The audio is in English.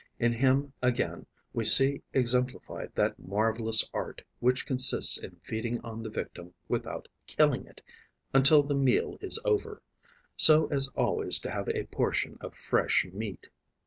In him again we see exemplified that marvellous art which consists in feeding on the victim without killing it until the meal is over, so as always to have a portion of fresh meat.